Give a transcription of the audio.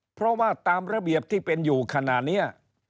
เพราะว่าตามระเบียบที่เป็นอยู่ขณะนี้